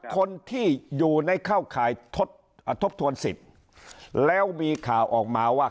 คนที่อยู่ในเข้าข่ายทบทวนสิทธิ์แล้วมีข่าวออกมาว่า